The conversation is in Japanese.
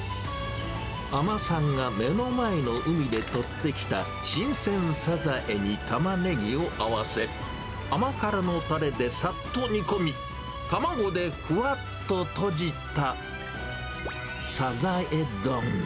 海女さんが目の前の海で取ってきた新鮮サザエにタマネギを合わせ、甘辛のたれで、さっと煮込み、卵でふわっととじた、サザエ丼。